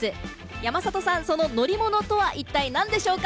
山里さん、その乗り物とは一体何でしょうか？